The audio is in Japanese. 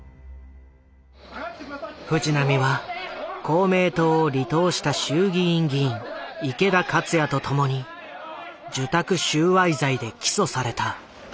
藤波は公明党を離党した衆議院議員池田克也と共に受託収賄罪で起訴された。